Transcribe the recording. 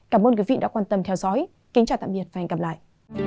cảm ơn quý vị đã quan tâm theo dõi kính chào tạm biệt và hẹn gặp lại